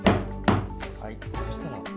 はいそしたら。